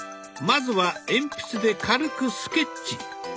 まずは鉛筆で軽くスケッチ。